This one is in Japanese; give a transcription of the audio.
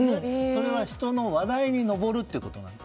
それは人の話題に上るということ。